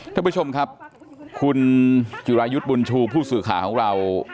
ท่านผู้ชมครับคุณจิรายุทธ์บุญชูผู้สื่อข่าวของเรา